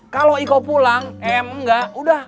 kalau iko pulang m enggak udah